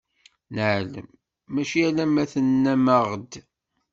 Neɛlem, mačči alamma tennam-aɣ-d.